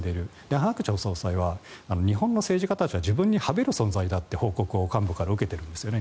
ハン・ハクチャ総裁は日本の政治家たちは自分にはべる存在だという報告を幹部から受けているんです。